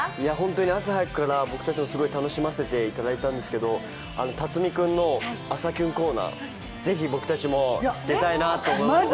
朝早くから僕たちもすごい楽しませていただいたんですが辰巳君の「朝キュン」コーナー、僕たちも出たいなと思いまして。